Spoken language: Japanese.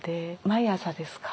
毎朝ですか？